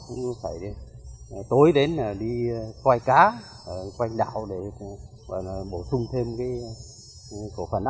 cũng như phải tối đến đi quay cá quay đảo để bổ sung thêm cổ phần